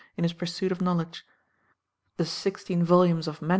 in his pursuit of knowledge. The sixteen volumes of MS.